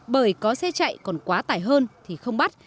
bởi có xe chạy còn quá tải hơn thì không bắt